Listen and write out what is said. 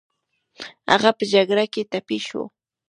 هغه په جګړه کې ټپي شو